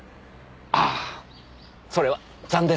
ああそれは残念！